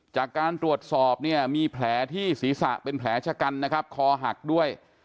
จากการตรวจสอบเนี่ยมีแผลที่ศีรษะเป็นแผลชะกันนะครับคอหักด้วย